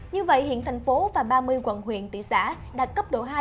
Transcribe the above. như vậy hiện thành phố và ba mươi quận huyện thị xã đạt cấp độ hai